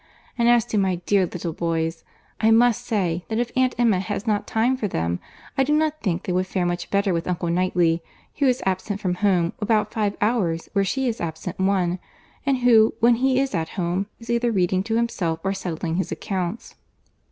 And as to my dear little boys, I must say, that if Aunt Emma has not time for them, I do not think they would fare much better with Uncle Knightley, who is absent from home about five hours where she is absent one—and who, when he is at home, is either reading to himself or settling his accounts."